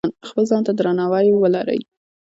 خپل ځان ته درناوی ولرئ.